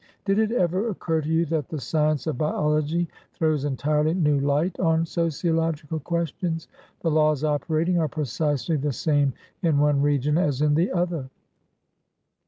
Did it ever occur to you that the science of biology throws entirely new light on sociological questions? The laws operating are precisely the same in one region as in the other.